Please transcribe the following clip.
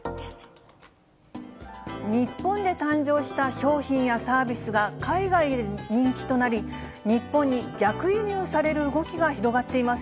日本で誕生した商品やサービスが海外で人気となり、日本に逆輸入される動きが広がっています。